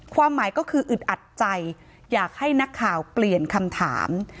ความหมายก็คืออึดอัดใจอยากให้นักข่าวเปลี่ยนคำถาม